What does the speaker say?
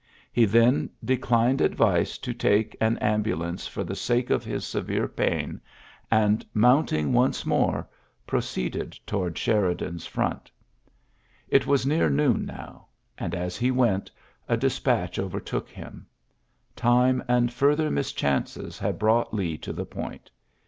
He then declined advice to take an ambulance for the sake of his iiorary i^oi ^ ^tM cv>« 124 TTLYSSES S. GEANT severe pain^ and^ mounting once more, proceeded toward Sheridan's front. It was near noon now ; and^ as he went^ a despatch overtook him. Time and fur ther mischances had brought Lee to the point.